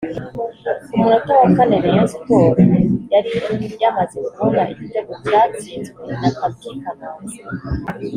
Ku munota wa kane Rayon Sports yari yamaze kubona igitego cyatsinzwe na Papy Kamanzi